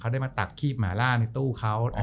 ได้มาตักขีบหมาล่าในตู้เขา